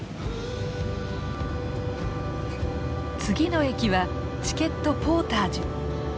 次の駅はチケット・ポータージュ。